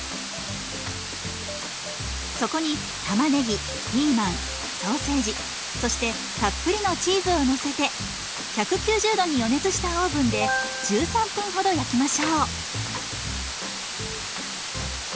そこにたまねぎピーマンソーセージそしてたっぷりのチーズをのせて１９０度に予熱したオーブンで１３分ほど焼きましょう。